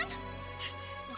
kenapa lagi iwan